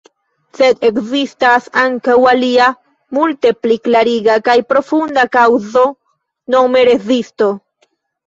Sed ekzistas ankaŭ alia, multe pli klariga kaj profunda kaŭzo, nome rezisto.